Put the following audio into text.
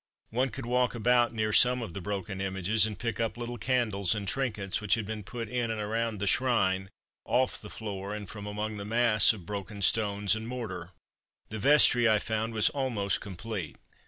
One could walk about near some of the broken images, and pick up little candles and trinkets which had been put in and around the shrine, off the floor and from among the mass of broken stones and mortar. The vestry, I found, was almost complete.